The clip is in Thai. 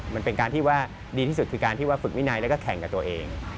มันเป็นการที่ว่าดีที่สุดคือการที่ว่าฝึกวินัยแล้วก็แข่งกับตัวเอง